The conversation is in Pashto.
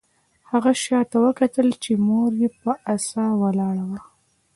هغه شاته وکتل چې مور یې په عصا ولاړه وه